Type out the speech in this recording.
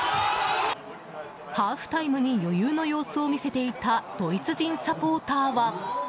ハーフタイムに余裕の様子を見せていたドイツ人サポーターは。